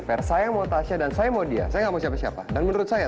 fair saya mau tasya dan saya mau dia saya nggak mau siapa siapa dan menurut saya